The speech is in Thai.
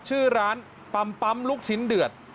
ชื่อร้านปั๊มลูกชิ้นเดือด